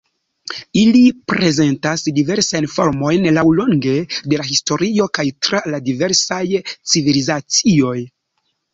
Ili prezentas diversajn formojn laŭlonge de la historio kaj tra la diversaj civilizacioj.